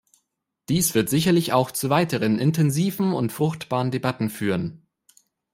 Dies wird sicherlich auch zu weiteren intensiven und fruchtbaren Debatten führen.